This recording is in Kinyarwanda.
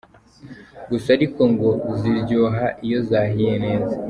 Gusa ariko ngo ziryoha iyo zahiye neza.